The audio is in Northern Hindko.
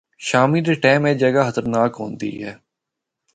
شامی دے ٹائم اے جگہ خطرناک ہوندی ہے۔